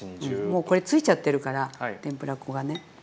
もうこれついちゃってるからてんぷら粉がね。